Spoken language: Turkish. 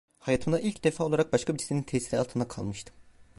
Hayatımda ilk defa olarak başka birisinin tesiri altında kalmıştım.